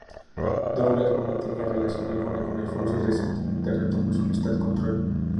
Douglas no mantiene relación alguna con Alfonso y recientemente retomó su amistad con Troy.